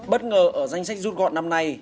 bất ngờ ở danh sách dung gọn năm nay